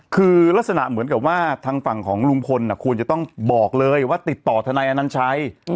คือลักษณะเหมือนกับว่าทางฝั่งของลุงพลควรจะต้องบอกเลยว่าติดต่อทนายอนัญชัย